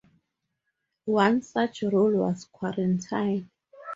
One such role was quarantine.